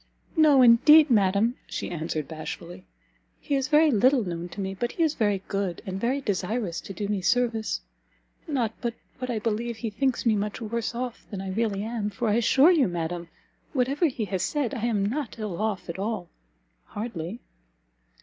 "No indeed, madam," she answered, bashfully, "he is very little known to me; but he is very good, and very desirous to do me service: not but what I believe he thinks me much worse off than I really am, for, I assure you, madam, whatever he has said, I am not ill off at all hardly."